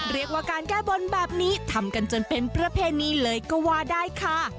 เรียกว่าการแก้บนแบบนี้ทำกันจนเป็นประเพณีเลยก็ว่าได้ค่ะ